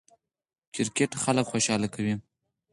کرکټ خلک خوشحاله کوي.